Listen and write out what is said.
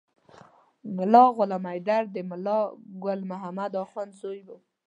ملا غلام حیدر د ملا ګل محمد اخند زوی و.